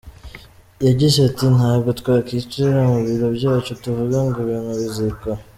Yagize ati” Ntabwo twakwicara mu biro byacu, tuvuge ngo ibintu bizikora.